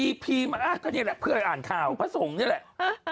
อีพีมันอ่ะก็นี่แหละเพื่อนอ่านข้าวผมจะส่งนี่แหละ